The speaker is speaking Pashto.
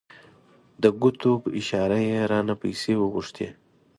د ګوتو په اشاره یې رانه پیسې وغوښتې.